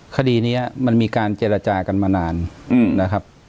คดีนี้มันมีการเจรจากันมานานนะครับ